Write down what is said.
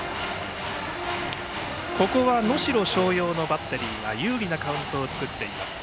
ここは能代松陽のバッテリーが有利なカウントを作っています。